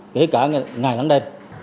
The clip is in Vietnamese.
kể cả ngày đám đêm